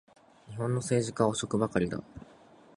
日本の政治家は汚職ばかりだ